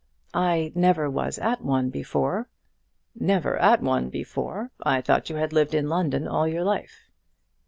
"I never was at one before." "Never at one before! I thought you had lived in London all your life."